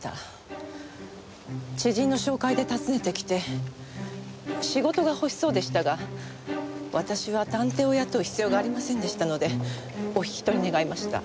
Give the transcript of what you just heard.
知人の紹介で訪ねてきて仕事が欲しそうでしたが私は探偵を雇う必要がありませんでしたのでお引き取り願いました。